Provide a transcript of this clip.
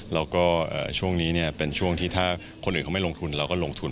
แล้วก็ช่วงนี้เป็นช่วงที่ถ้าคนอื่นเขาไม่ลงทุนเราก็ลงทุน